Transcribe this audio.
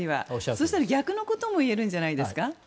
そしたら逆のことも言えるんじゃないですか。